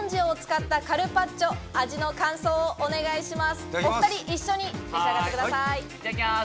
いただきます。